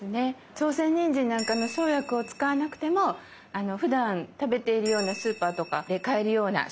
朝鮮人参なんかの生薬を使わなくてもふだん食べているようなスーパーとかで買えるような食材と調味料でできます。